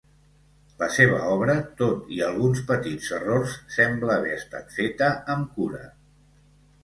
La seva obra, tot i alguns petits errors, sembla haver estat feta amb cura.